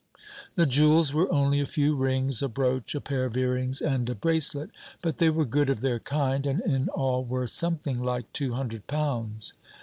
The jewels were only a few rings, a brooch, a pair of earrings, and a bracelet; but they were good of their kind, and in all worth something like two hundred pounds.